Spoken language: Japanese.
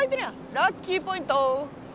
ラッキーポイント。